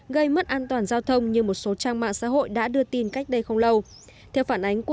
gây mất an toàn giao thông như một số trang mạng xã hội đã đưa tin cách đây không lâu